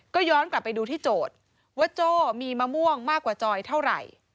ก็ย้อนกลับไปดูที่โจทย์ว่าโจ้มีมะม่วงมากกว่าจอยเท่าไหร่